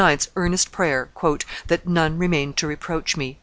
's earnest prayer, "That none remain to reproach me!"